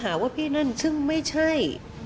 หาว่าพี่นั่นซึ่งไม่ใช่